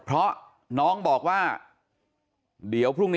เพราะน้องบอกว่าเดี๋ยวพรุ่งนี้